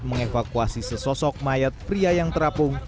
mengevakuasi sesosok mayat pria yang terapung